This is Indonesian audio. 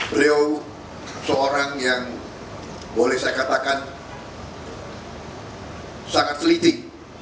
beliau seorang yang boleh saya katakan sangat teliti